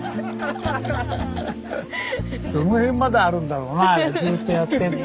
どの辺まであるんだろうなあれずっとやってると。